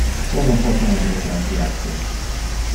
Como pote nos regratiar te?